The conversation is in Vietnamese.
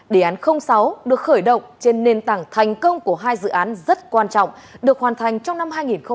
đề án sáu được khởi động trên nền tảng thành công của hai dự án rất quan trọng được hoàn thành trong năm hai nghìn một mươi chín